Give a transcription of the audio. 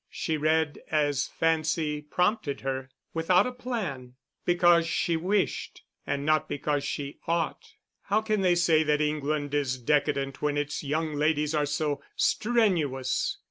She read as fancy prompted her, without a plan, because she wished and not because she ought (how can they say that England is decadent when its young ladies are so strenuous!).